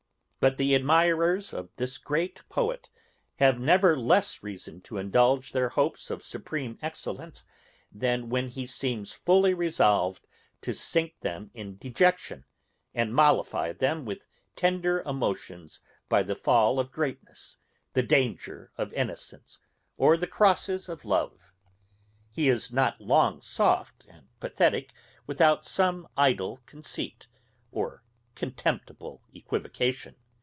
But the admirers of this great poet have never less reason to indulge their hopes of supreme excellence, than when he seems fully resolved to sink them in dejection, and mollify them with tender emotions by the fall of greatness, the danger of innocence, or the crosses of love. He is not long soft and pathetick without some idle conceit, or contemptible equivocation.